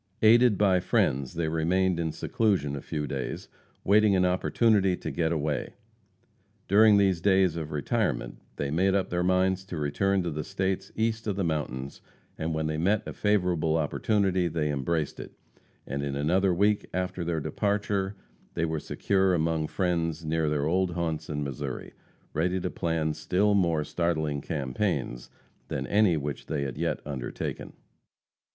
Aided by friends, they remained in seclusion a few days, waiting an opportunity to get away. During these days of retirement they made up their minds to return to the States east of the mountains, and when they met a favorable opportunity they embraced it, and in another week after their departure they were secure among friends near their old haunts in Missouri, ready to plan still more startling campaigns than any which they had yet undertaken.